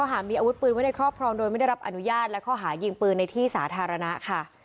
หามีอาวุธปืนไว้ในครอบครองโดยไม่ได้รับอนุญาตและข้อหายิงปืนในที่สาธารณะค่ะ